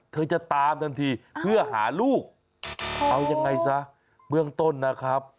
จะตามทันทีเพื่อหาลูกเอายังไงซะเบื้องต้นนะครับ